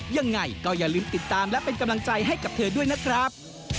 ยังไงก็อย่าลืมติดตามและเป็นกำลังใจให้กับเธอด้วยนะครับ